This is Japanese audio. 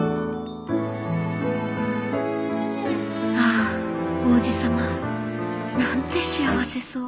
「ああ王子様なんて幸せそう。